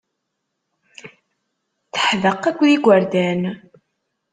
Teḥdeq akked yigerdan.